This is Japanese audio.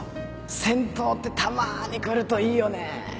銭湯ってたまに来るといいよね